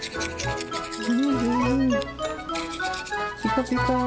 ピカピカー。